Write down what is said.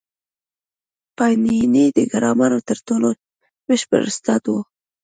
پاڼيڼى د ګرامر تر ټولو بشپړ استاد وو.